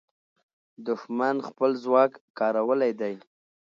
دښمن خپل ځواک کارولی دی.